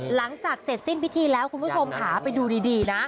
หลังจากเสร็จสิ้นพิธีแล้วคุณผู้ชมค่ะไปดูดีนะ